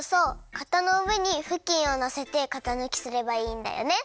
かたのうえにふきんをのせてかたぬきすればいいんだよね！